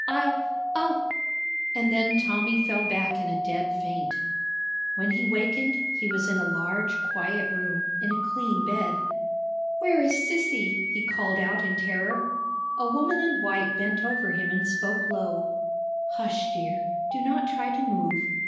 I'll, I'll " and then Tommy fell back in a dead faint. When he wakened, he was in a large, quiet room, in a clean bed. "Where is Sissy?" he called out in terror. A woman in white bent over him and spoke low: "Hush, dear; do not try to move.